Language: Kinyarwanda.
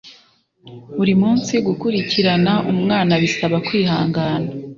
buri munsi gukurikirana umwana bisaba kwihangana